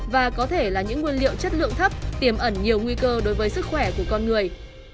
và có thể là những nguyên liệu chất lượng thấp tiềm ẩn nhiều nguy cơ đối với sức khỏe của con người